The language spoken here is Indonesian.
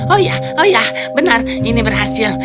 oh iya oh ya benar ini berhasil